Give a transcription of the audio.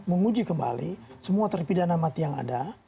menguji kembali semua terpidana mati yang ada